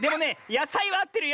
やさいはあってるよ。